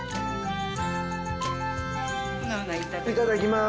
いただきます。